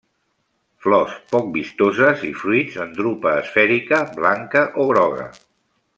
Flors poc vistoses i fruits en drupa esfèrica blanca o groga.